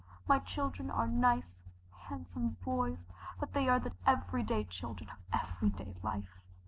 My children are nice handsome boys, but they are the every day children of every day life.